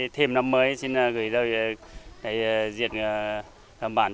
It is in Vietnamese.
thêm năm mới xin gửi lời giết bản xin